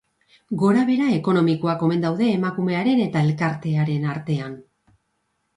Gorabehera ekonomikoak omen daude emakumearen eta elkartearen artean.